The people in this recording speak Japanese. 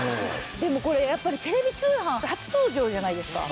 でもこれやっぱりテレビ通販初登場じゃないですか。